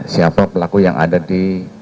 siapa pelaku yang ada di